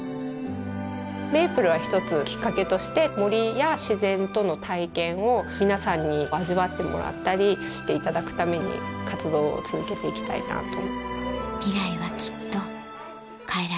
メープルは１つきっかけとして森や自然との体験を皆さんに味わってもらったり知っていただくために活動を続けていきたいなと。